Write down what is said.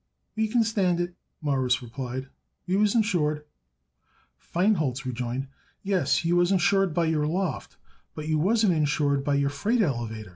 "We can stand it," Morris replied. "We was insured." Feinholz rejoined: "Yes, you was insured by your loft, but you wasn't insured by your freight elevator."